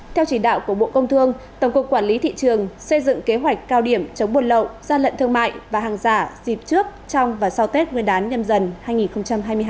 theo chỉ đạo của bộ công thương tổng cục quản lý thị trường xây dựng kế hoạch cao điểm chống buôn lậu gian lận thương mại và hàng giả dịp trước trong và sau tết nguyên đán nhâm dần hai nghìn hai mươi hai